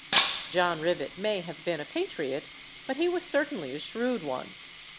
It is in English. John Rivet may have been a patriot, but he was certainly a shrewd one.